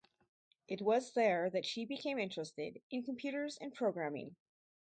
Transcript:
It was there that she became interested in computers and programming.